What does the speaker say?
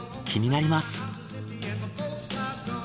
気になります。